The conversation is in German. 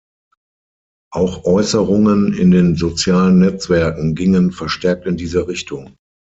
Auch Äußerungen in den sozialen Netzwerken gingen verstärkt in diese Richtung.